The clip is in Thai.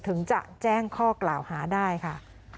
ถึงจะแจ้งข้อกล่าวหาได้ค่ะ